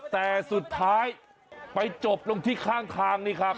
แต่สุดท้ายไปจบลงที่ข้างทางนี่ครับ